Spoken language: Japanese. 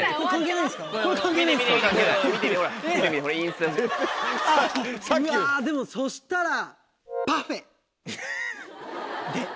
うわでもそしたらパフェで。